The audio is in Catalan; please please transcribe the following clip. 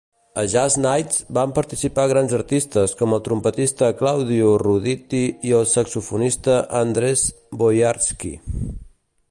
A Jazz Nights van participar grans artistes com el trompetista Claudio Roditi i el saxofonista Andres Boiarsky.